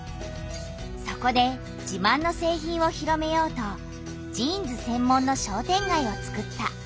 そこで自慢の製品を広めようとジーンズ専門の商店街をつくった。